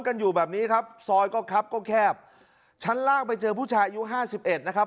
กันอยู่แบบนี้ครับซอยก็ครับก็แคบชั้นล่างไปเจอผู้ชายอายุห้าสิบเอ็ดนะครับ